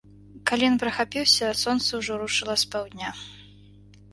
Калі ён прахапіўся, сонца ўжо рушыла з паўдня.